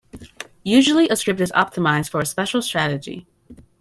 Usually a script is optimized for a special strategy.